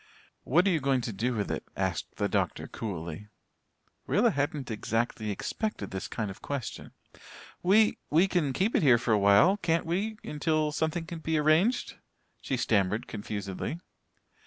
"What are you going to do with it?" asked the doctor coolly. Rilla hadn't exactly expected this kind of question. "We we can keep it here for awhile can't we until something can be arranged?" she stammered confusedly.